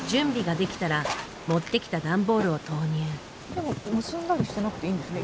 でも結んだりしてなくていいんですね。